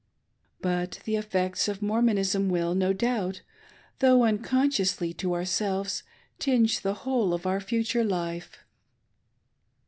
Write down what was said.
But the effects of Mor monism will, no doubt, though unconsciously to ourselves, tinge the whole of our future life.